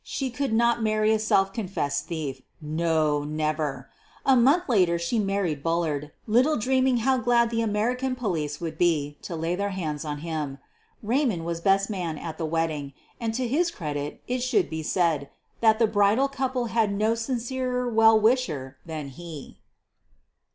She could not marry a self confessed thief — no, never! A month later she married Bullard, little dreaming how glad the American police would be to lay their hands on 'him. Raymond was best man at the wedding, and to his credit it should be said that the bridal couple had no sincerer well wisher than he.